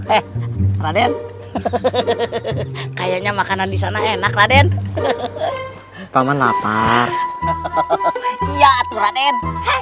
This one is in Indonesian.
eh raden kayaknya makanan di sana enak raden paman apa iya atur aden